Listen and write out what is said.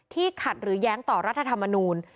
ขัดหรือแย้งต่อรัฐธรรมนูล